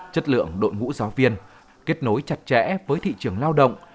chất lượng đội ngũ giáo viên kết nối chặt chẽ với thị trường lao động